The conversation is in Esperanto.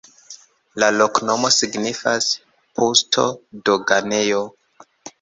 La loknomo signifas: pusto-doganejo.